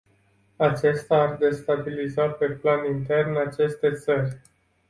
Acesta ar destabiliza pe plan intern aceste țări.